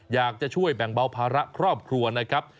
อยากจะช่วยแบ่งเบาภาระครอบครัวนะครับ